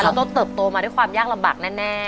เขาต้องเติบโตมาด้วยความยากลำบากแน่